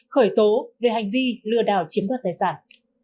khởi tố về hành vi lừa đảo chiếm đoạt tài sản